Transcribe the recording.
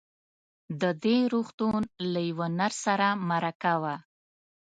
د دې روغتون له يوه نرس سره مرکه وه.